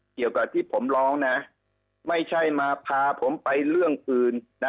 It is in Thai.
เกี่ยวกับที่ผมร้องนะไม่ใช่มาพาผมไปเรื่องอื่นนะ